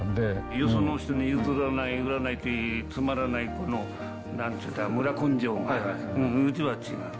よその人に譲らない、売らない、つまらないこの、なんていうか村根性っていうのは、うちは違う。